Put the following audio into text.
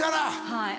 はい。